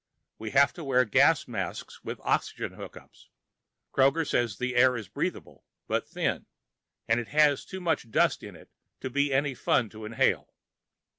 We have to wear gas masks with oxygen hook ups. Kroger says the air is breathable, but thin, and it has too much dust in it to be any fun to inhale.